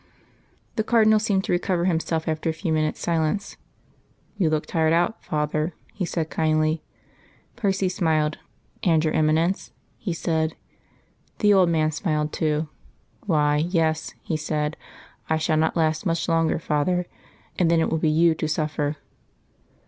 The Cardinal seemed to recover himself after a few minutes' silence. "You look tired out, father," he said kindly. Percy smiled. "And your Eminence?" he said. The old man smiled too. "Why, yes," he said. "I shall not last much longer, father. And then it will be you to suffer."